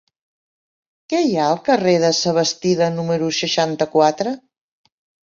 Què hi ha al carrer de Sabastida número seixanta-quatre?